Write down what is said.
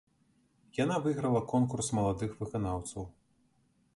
Яна выйграла конкурс маладых выканаўцаў.